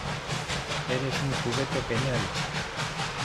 ¡ Eres un juguete genial!